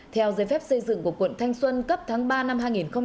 theo giới phép xây dựng của quận thanh xuân cấp tháng ba năm hai nghìn một mươi năm